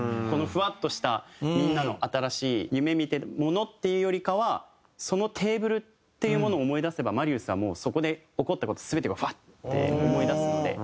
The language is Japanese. ふわっとしたみんなの新しい夢見てるものっていうよりかはそのテーブルっていうものを思い出せばマリウスはもうそこで起こった事全てがふわって思い出すので。